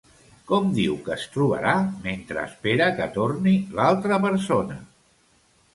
Com diu que es trobarà mentre espera que torni l'altra persona?